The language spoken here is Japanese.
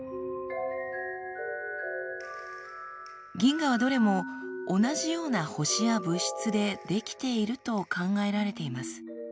銀河はどれも同じような星や物質で出来ていると考えられています。